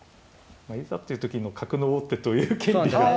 いざっていう時の角の王手という権利が多少。